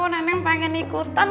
nenek pengen ikutan